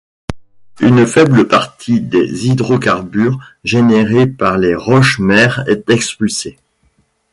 Une faible partie des hydrocarbures générés par les roches-mères est expulsée.